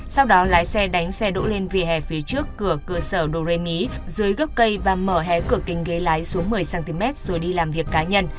sau đó lái xe đánh xe đỗ lên vỉa hè phía trước cửa cơ sở doremi dưới gốc cây và mở hé cửa kính ghế lái xuống một mươi cm rồi đi làm việc cá nhân